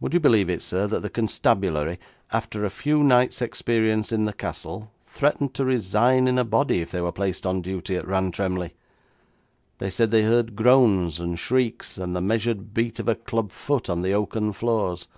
Would you believe it, sir, that the constabulary, after a few nights' experience in the castle, threatened to resign in a body if they were placed on duty at Rantremly? They said they heard groans and shrieks, and the measured beat of a club foot on the oaken floors.